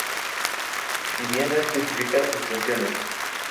Si bien no especifica sus funciones.